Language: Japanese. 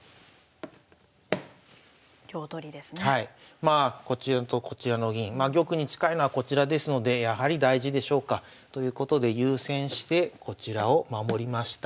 まあこちらとこちらの銀まあ玉に近いのはこちらですのでやはり大事でしょうか。ということで優先してこちらを守りました。